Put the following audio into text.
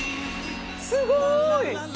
すごい！